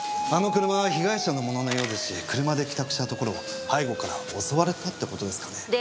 あの車は被害者のもののようですし車で帰宅したところを背後から襲われたって事ですかね。